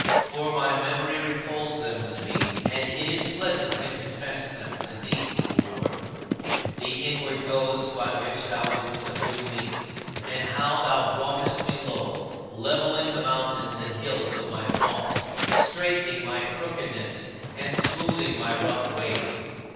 For my memory recalls them to me and it is pleasant to confess them to thee, O Lord: the inward goads by which thou didst subdue me and how thou broughtest me low, leveling the mountains and hills of my thoughts, straightening my crookedness, and smoothing my rough ways.